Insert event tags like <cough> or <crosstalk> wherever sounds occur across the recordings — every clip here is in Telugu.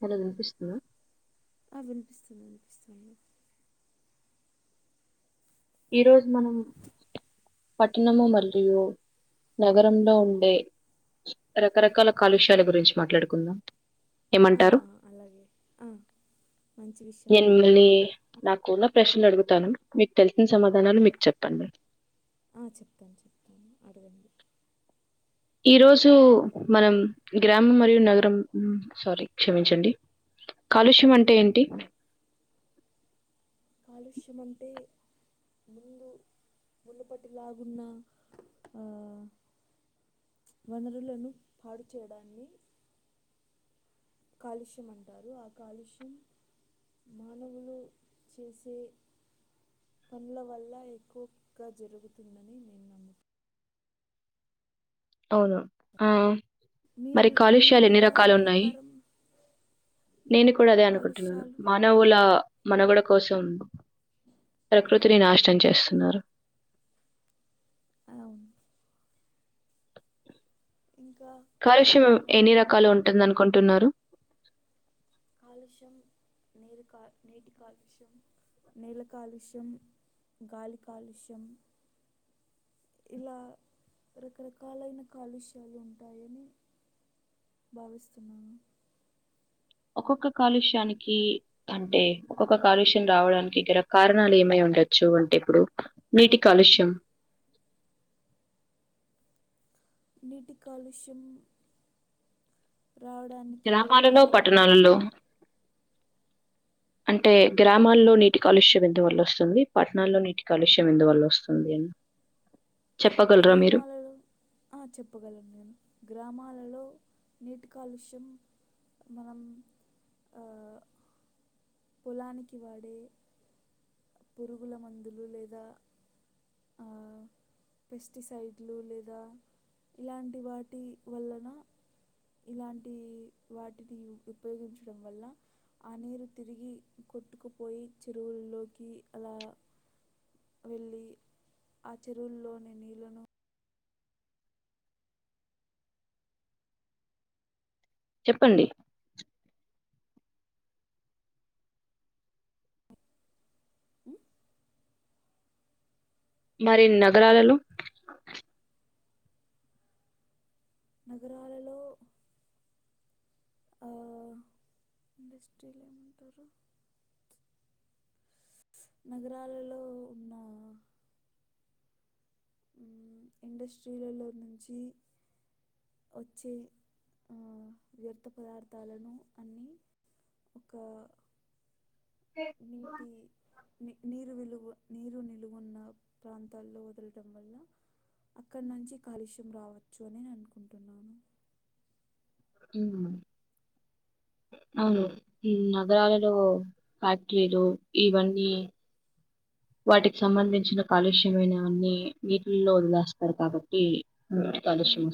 హలోలో వినిపిస్తుందా అ వినిపిస్తుాంది వినిపిస్తుాంది ఈ రోజు మనం పట్టణము మరియు నగరంలో ఉండే రకరకాల కాలుష్యాల గురించి మాట్లాడుకుందాం ఆ, ఏమంటారు. ఆ, అలాగే ఆ, మంచి విషయం నేను మిమ్మల్నీ మాట్లాడుకున్నాను నాకున్న ప్రశ్న అడుగు టన్ మిట్టల్ ఆ చెప్తాను చెప్తాను అడగండి. ఈరోజూ మనం గ్రామం మరియు నగరం, హ్మ్ సారీ క్షమించండి. కాలుష్యం అంటే ఏంటి. కాలుష్యం అంటే ముందు మునపటిలాగున్న, ఆ వనరులను పాడు చేయడాన్ని. కాలుష్యం అంటారు. ఆ కాలుష్యం మానవులు చేసే పనుల వల్ల ఎక్కువగా జరుగుతుందని నేను నమ్ముత్ అవునా ఆ మీ మరి మీ కాలుష్యాలు ఎన్ని అభిప్రాయం రకాలు ఉన్నాయి. ప్రకారం నేను కూడా అదే అనుకుంటున్నాను. కాలుష్యాలు మానవులా మనుగడ కోసం ప్రకృతిని నాశనం చేస్తున్నారు. ఆ, ఇంకా కాలుష్యం ఎన్ని మానవులు రకాలు ఉంటుంది అనుకుంటున్నారు. కాలుష్యం నీరు కా నీటి కాలుష్యం, నేల కాలుష్యం, గాలి కాలుష్యం ఇలా రకరకాలైన కాలుష్యాలు ఉంటాయని భావిస్తున్నాను. ఒక్కొక్క కాలుష్యానికీ, అంటే ఒక్కొక్క కాలుష్యం రావడానికి గల కారణాలు ఏమై ఉండొచ్చు అంటే ఇప్పుడు నీటి కాలుష్యం నీటి కాలుష్యం రావడానికి గల గ్రామాలలో కారణాలు పట్టణాలలో అంటే గ్రామాల్లో నీటి కాలుష్యం ఎందువల్ల వస్తుంది. పట్టణాల్లో నీటి కాలుష్యం ఎందువల్ల వస్తుంది అని. చెప్పగలరా మీరు గ్రామాలలో, ఆ చెప్పగలను నేను. గ్రామాలలో నీటి కాలుష్యం మనం ఆ పొలానికి వాడే పురుగుల మందులు లేదా ఆ పెస్టిసైడ్లు లేదా ఇలాంటి వాటి వలన, ఇలాంటీ వాటిని ఉపయోగించడం వల్ల ఆ నీరు తిరిగి కొట్టుకుపోయి చెరువుల్లోకీ అలా వెళ్ళీ ఆ చెరువుల్లోని నీళ్లను చెప్పండి. ఉ మరీ నగరాలలో నగరాలలో ఆ ఇండస్ట్రీలు ఏమంటారు. ప్చ్ నగరాలలో ఉన్నా ఉమ్ ఇండస్ట్రీలలో నుంచీ వచ్చే ఆ వ్యర్థ పదార్థాలను అన్నీ ఒకా నీటీ ని నీరు విలువ నీరు నిలువున్న ప్రాంతాల్లో వదలటం వల్ల. అక్కడ నుంచి కాలుష్యం రావచ్చు అని నేన్ అనుకుంటున్నాను. ఉమ్ అవును ఈ నగరాలలో ఫ్యాక్టరీలూ ఇవన్నీ. వాటికి సంబంధించిన కాలుష్యమైనవన్నీ నీటిల్లో వదిలేస్తారు కాబట్టీ ఉమ్.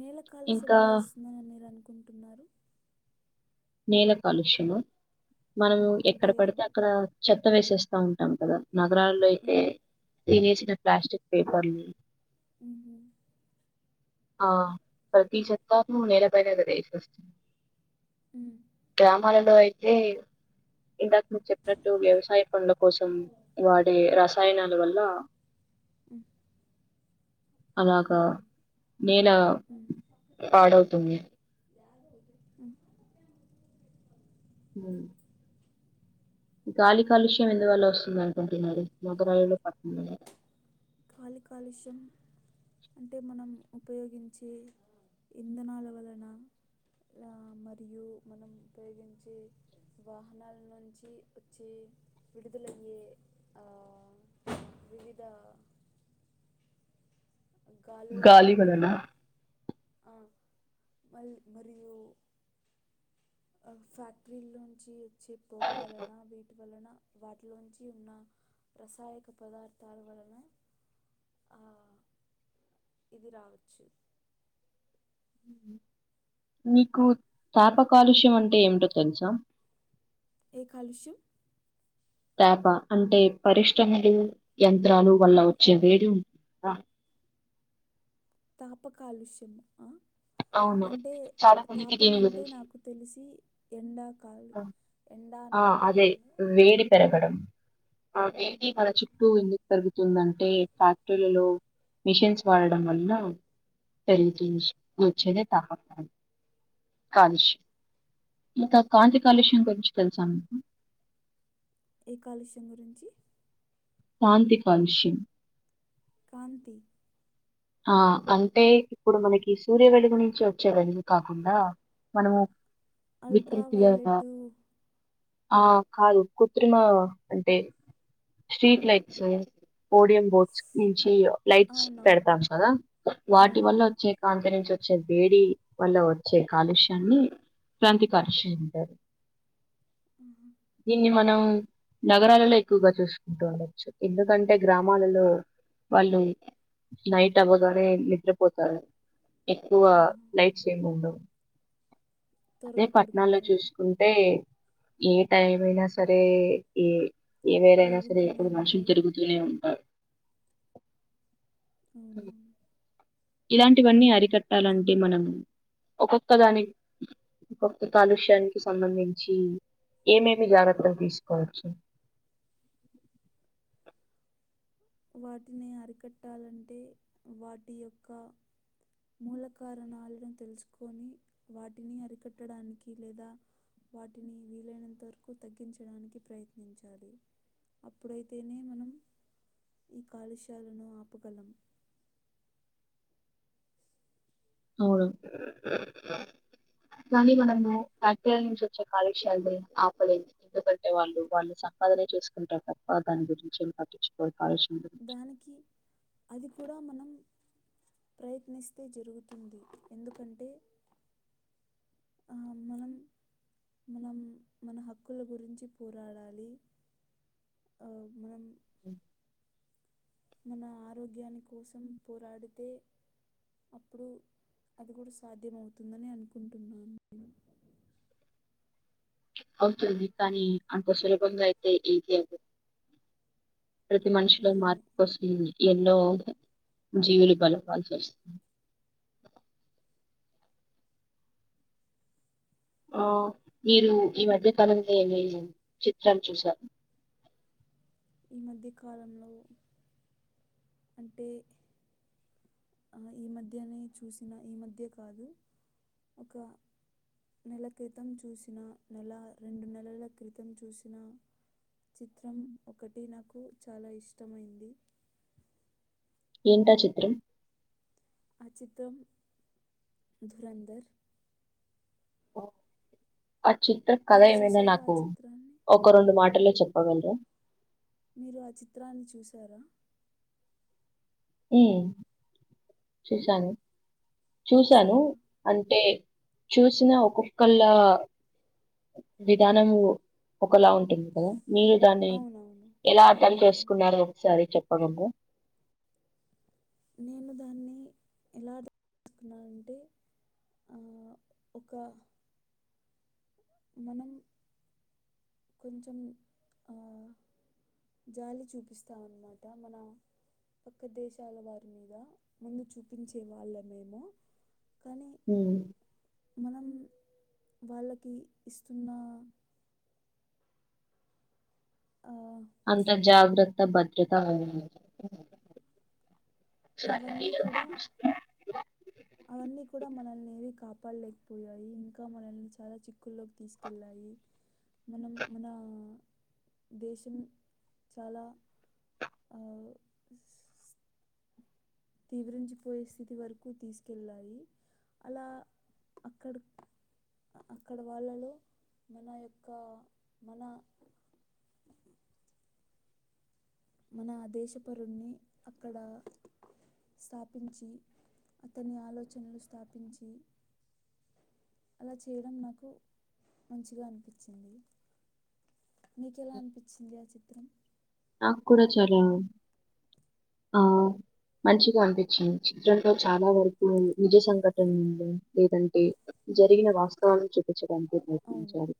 నేల కాలుష్యం ఇంకా ఎలా వస్తుందని మీరు అనుకున్ టున్నారు. నేల కాలుష్యమా మనం మ్మ్. ఎక్కడ అంటే పడితే అక్కడా చెత్ త్త వేసేస్తా ఉంటాం కదా నగరాల్లో అయితే మ్మ్. తినేసిన ప్లాస్టిక్ పేపర్లు. ఉహు ఆ ప్రతీ చెత్తనూ నేల పైనే గదా వేసేస్తున్ అ అమలో అయితే ఇందాక మీరు చెప్పినట్టు వ్యవసాయ పనుల కోసం వాడే రసాయనాల వల్ల మ్మ్. అలాగా నేల పాడవుతుంది ఆ ఉ గాలి కాలుష్యం ఎందువల్ల వస్తుంది అనుకుంటున్నారు నగరాలలో పట్టణంలో గాలి కాలుష్యం అంటే మనం ఉపయోగించే ఇంధనాల వలన మరియు మనం ఉపయోగించే వాహనాల నుంచి వచ్చే విడుదలయ్యే వివిధ గాలీ వలన ఆ మరి మరియు ఫ్యాక్టరీలోంచి చే పొగ వలన వీటి వలన వాటిలోంచి ఉన్న రసాయక పదార్థాల వలన అ ఇది రావచ్చు మీకు తాపకాలుష్యం అంటే ఏమిటో తెలుసా ఏ కాలుష్యం తాప అంటే పరిశ్రమలు యంత్రాలు వల్ల వచ్చే వేడి ఉంట తాప కాలుష్యం అ అవును అంటే చాలా మందికి తాపం దీని అంటే గురించి నాకు తెలిసి ఎండాక ఆ అదే అలా వేడి పెరగడం ఆ ఉమ్. వేడి కల చుట్టూ జరుగుతుందంటే ఫ్యాక్టరీలలో ఉమ్, టెన్తూమ్స్ ముచ్చరిత కాలుష్యం కాంతి కాలుష్యం గురించి తెలుసా మీకు ఏ కాలుష్యం గురించి కాంతి కాలుష్యం కాంతి ఆ అంటే ఇప్పుడు మనకి సూర్య వెలుగు నుంచి వచ్చే వెలుగు కాకుండా మనము అల్ట్రా వికృతిగా వైలెట్టు ఆ కాదు కృత్రిమ అంటే స్ట్రీట్ లైట్స్ ఓడియం బోర్డ్స్ నుంచి లైట్స్ పెడతా అవునవును కదా వాటి వల్ల అవునవును వచ్చే కాంతి నుంచి వచ్చే వేడి వల్ల వచ్చే కాలుష్యాన్ని కాంతి కాలుష్యం అంటారు దీన్ని ఆహ మనం నగరాలలో ఎక్కువగా చూసుకుంటూ ఉండచ్చు ఎందుకంటే గ్రామాలలో వాళ్ళు నైట్ అవ్వగానే నిద్ర పోతారు ఎక్కువ అవును లైట్స్ ఏం ఉండవ్ అదే త్వరగా పట్నాల్లో పడుకుంటారు చూసుకుంటే ఏ టైం అయినా సరే ఏ ఏవేరైనా సరే వెలుగుతూనే ఇప్పుడు మనుషులు ఉంటాయి తిరుగుతూనే ఉంటారూ అవునవును ఇలాంటివన్నీ అరి చెప్పలంటే నిజమే మన ఒక్కొక్క దాని ఒక్కొక్క కాలుష్యానికి సంబంధించి ఏమేమి జాగ్రత్తలు తీసుకోవచ్చు వాటిని అరికట్టాలంటే వాటి యొక్క మూల కారణాలను తెలుసుకొని వాటిని అరికట్టడానికి లేదా వాటిని వీలైనంత వరకు తగ్గించడానికి ప్రయత్నించాలి అప్పుడైతేనే మనం ఈ కాలుష్యాలను ఆపగలం అవును కానీ మనము ఫ్యాక్టీరి నుంచి వచ్చే కాలుష్యాలని ఆపలేం ఎందుకంటే వాళ్ళు వాళ్ళు సంపాదనే చేసుకుంటారు తప్ప దాని గురించి ఏం పట్టించుకోరు కాలుష్యం గురించి దానికి అది కూడా మనం ప్రయత్నిస్తే జరుగుతుంది ఎందుకంటే మనం మనం మన హక్కుల గురించి పోరాడాలి మనం అ మన ఆరోగ్యాని కోసం పోరాడితే అప్పుడు అది కూడా సాధ్యమవుతుందని అనుకుంటున్నాను నేను అవుతుంది కానీ అంత సులభంగా అయితే ఏది అవ్వదు ప్రతి మనిషిలో నిజమే మార్పు వస్తుంది ఎన్నో జీవులు బలి అవ్వాల్సి వస్తుంది ఆ మీరు ఈ మధ్యకాలంలో ఏవేవి చిత్రాలు చూసారు ఈ మధ్య కాలంలో అంటే ఈ మధ్యనే చూసిన ఈ మధ్య కాదు ఒక నెల క్రితం చూసిన నెల రెండు నెలల క్రితం చూసిన చిత్రం ఒకటి నాకు చాలా ఇష్టమైంది ఏంటా చిత్రం ఆ చిత్రం ధురందర్ ఓ ఆ చిత్ర కథ మీరు ఏమైనా చూసారా ఆ నాకు చిత్రాన్ని ఒక రెండు మాటలో చెప్పగలర మీరు ఆ చిత్రాన్ని చూసారా ఏ ఉమ్, చూసాను చూసాను చూసారా అంటే చూసినా ఒక్కొక్కళ విధానము ఒకలా ఉంటుంది కదా మీరు దాన్ని అవునవును ఎలా అర్థం అవునవును చేసుకున్నారో ఒకసారి చెప్పగము నేను దాన్ని ఎలా <unintelligible> న్నానంటే ఒక మనం కొంచెం జాలి చూపిస్తాంన్నమాట మన పక్క దేశాల వారి మీద ముందు చూపించే వాళ్ళమేమో కానీ హ మనం వాళ్ళకి ఇస్తున్నా ఆ, బాధ్యత అవన్నీ కూడా అవన్నీ కూడా మనల్ని కాపా ప్పడలేకపోయాయి ఇంకా మనల్ చాలా చి స్కుల్లోకి తీసుకెళ్ళాయి మనం మన దేశం చాలా తీవ్రించిపోయే స్థితి వరకు తీసుకెళ్ళాయి అలా అక్కడ అక్కడ వాళ్ళలో మన యొక్క మన మన దేశపరు్ని అక్కడ స్థాపించి అతని ఆలోచనలు స్థాపించి అలా చేయడం నాకు మంచిగా అనిపించింది మీకు ఎలా అనిపించింది ఆ చి నాకు కూడా చాలా ఆ మంచిగా అనిపించింది, చిత్రంలో చాలా వరకు నిజ సంఘటనలు లేదంటే జరిగిన వాస్తవాలను చూపించడం. అవును మెప్పించారు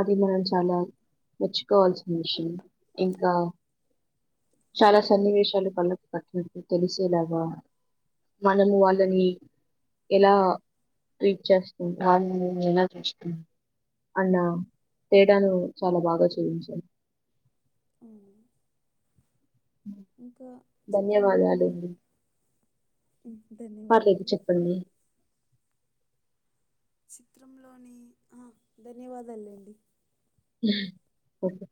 అది మనం చాలా మెర్చ్చుకోవాల్సిన విషయం ఇంకా చాలా సన్నివేశాలు కళ్ళకు కట్టినట్టు తెలిసేలాగా మనము వాళ్ళని ఎలా ట్రీట్ చేస్తాం వాళని మనం ఎలా చూస్తాం అలా తేడాను చాలా బాగా చూయించను ఉమ్ ఇంకా చిత్రంలోని పర్లేేదు ధన్యవాదాలు చెప్పండి. చిత్రంలోని అ ధన్యవాదాలుండి. ఉమ్ ఓకే